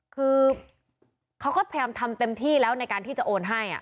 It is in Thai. คือเขาก็พยายามทำเต็มที่แล้วในการที่จะโอนให้